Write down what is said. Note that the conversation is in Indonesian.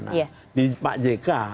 nah di pak jk